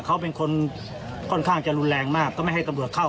เขาเป็นคนค่อนข้างจะรุนแรงมากก็ไม่ให้ตำรวจเข้า